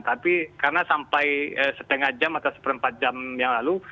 tapi karena sampai setengah jam atau seperempat jam yang lalu